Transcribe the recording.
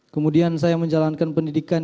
kemudian saya menjalankan pendidikan